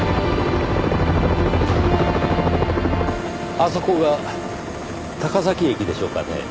あそこが高崎駅でしょうかねぇ。